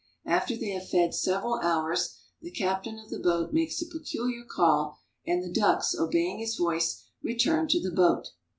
After they have fed several hours, the captain of the boat makes a pecuHar call, and the ducks, obeying his voice, return to the boat.